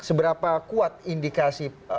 seberapa kuat indikasi